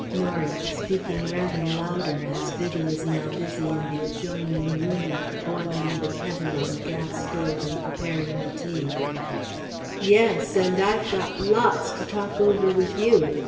Norie (speaking rather louder as Vivie is now busy in the adjoining roomlet, boiling the kettle on the gas stove and preparing the tea): "Yes. And I've got lots to talk over with you.